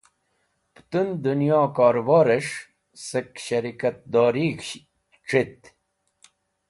Pẽtũn dẽnyo korẽborẽs̃h sẽk shẽrikatdorig̃h c̃hit.